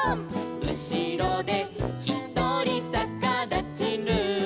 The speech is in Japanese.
「うしろでひとりさかだちルー」